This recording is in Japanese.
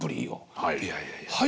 はい。